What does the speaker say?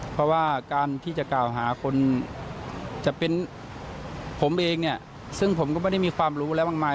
เพราะว่าการที่จะกล่าวหาคนจะเป็นผมเองเนี่ยซึ่งผมก็ไม่ได้มีความรู้อะไรมากมาย